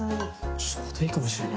ちょうどいいかもしれない。